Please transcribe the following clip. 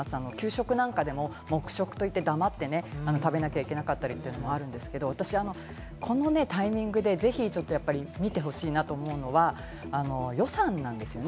給食なんかでも黙食といって、黙って食べなきゃいけなかったりってのもあるんですけど、私、このタイミングでぜひちょっと見てほしいなと思うのは、予算なんですよね。